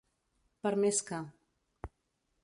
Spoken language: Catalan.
Per més que.